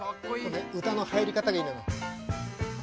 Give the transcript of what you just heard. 歌の入り方がいいのよ。